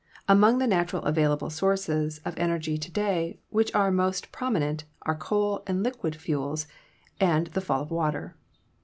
Among the natural available sources of energy to day which are most promi nent are coal and liquid fuels and the fall of water.